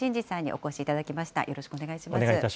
お願いいたします。